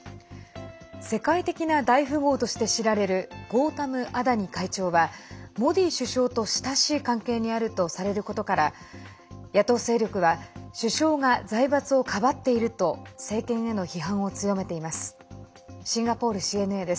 世界的な大富豪として知られるゴータム・アダニ会長はモディ首相と親しい関係にあるとされることから野党勢力は首相が財閥をかばっていると政権への批判を強めています。